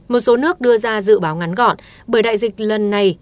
một số nước đưa ra dự báo ngắn gọn bởi đại dịch lần này